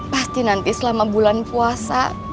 pasti nanti selama bulan puasa